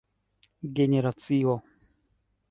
generacio